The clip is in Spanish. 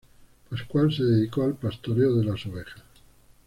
Pascual se dedicó al pastoreo de las ovejas.